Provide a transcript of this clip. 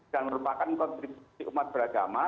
dan merupakan kontribusi umat beragama